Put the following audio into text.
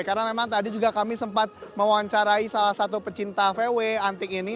karena memang tadi juga kami sempat mewawancarai salah satu pecinta vw antik ini